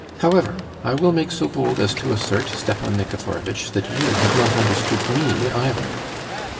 "However, I will make so bold as to assert, Stepan Nikiforovitch, that you have not understood me either...."